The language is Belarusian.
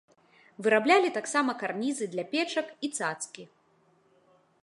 Выраблялі таксама карнізы для печак і цацкі.